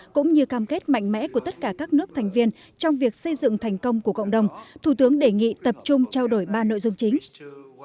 cũng như cam kết mạnh mẽ của tất cả các nước thành viên trong việc xây dựng thành công của cộng đồng thủ tướng đề nghị tập trung trao đổi ba nội dung chính